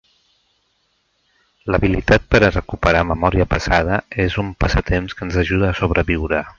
L'habilitat per a recuperar memòria passada és un passatemps que ens ajuda a sobreviure.